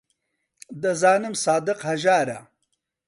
دەزانم سادق هەژارە.